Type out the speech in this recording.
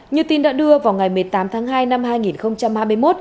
như tin đã đưa vào ngày một mươi tám tháng hai năm hai nghìn hai mươi một